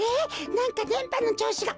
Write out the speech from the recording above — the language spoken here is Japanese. なんかでんぱのちょうしが。